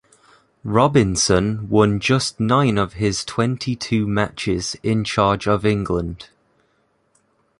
Robinson won just nine of his twenty two matches in charge of England.